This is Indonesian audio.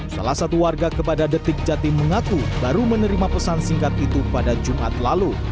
salah satu warga kepada detik jatim mengaku baru menerima pesan singkat itu pada jumat lalu